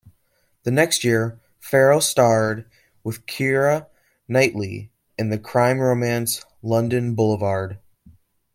The next year, Farrell starred with Keira Knightley in the crime romance "London Boulevard".